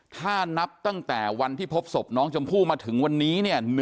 ถ้านับตั้งแต่วันที่พบศพน้องชมพู่มาถึงวันนี้เนี่ย